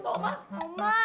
ada apaan sedih mulut oma